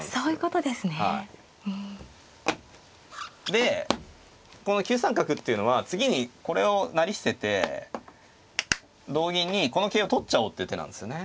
でこの９三角っていうのは次にこれを成り捨てて同銀にこの桂を取っちゃおうっていう手なんですよね。